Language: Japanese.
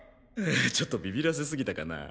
ちょっとビビらせすぎたかな。